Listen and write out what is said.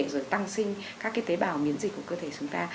rồi tăng sinh các cái tế bào miễn dịch của cơ thể chúng ta